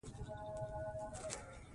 په افغانستان کې طلا شتون لري.